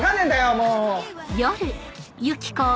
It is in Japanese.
もう。